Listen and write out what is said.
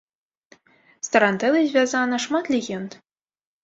З тарантэлай звязана шмат легенд.